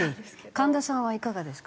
神田さんはいかがですか？